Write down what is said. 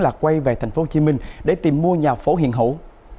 là quay về thành phố hồ chí minh để tìm mua nhà phố hiện hữu